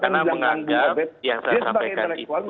perkembangan yang harus kita sampaikan